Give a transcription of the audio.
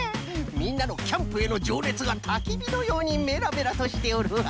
みんなのキャンプへのじょうねつがたきびのようにメラメラとしておるわ。